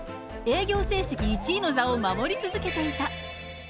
営業成績１位の座を守り続けていた。